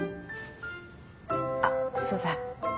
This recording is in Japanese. あっそうだ。